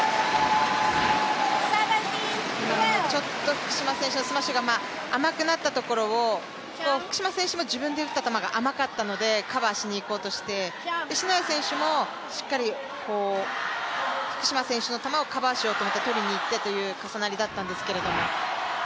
福島選手のスマッシュが甘くなったところを、福島選手も自分で打った球が甘かったのでカバーしにいこうとして、篠谷選手もしっかり福島選手の球をカバーしようといってという重なりだったんですけれども。